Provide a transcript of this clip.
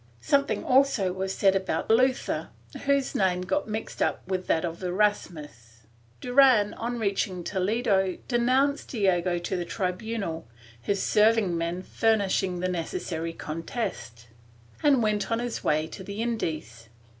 Something also was said about Luther, whose name got mixed up with that of Erasmus. Duran, on reaching Toledo, denounced Diego to the tribunal, his serving man furnishing the necessary conteste, and went on his way to the Indies.